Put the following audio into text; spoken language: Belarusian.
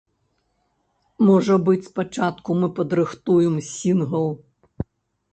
Можа быць, спачатку мы падрыхтуем сінгл.